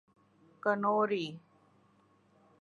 Khanauri